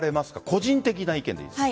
個人的な意見でいいです。